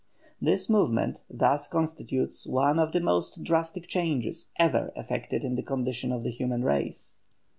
This movement thus constitutes one of the most drastic changes ever effected in the condition of the human race.